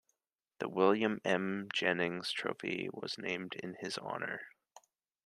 The William M. Jennings Trophy was named in his honor.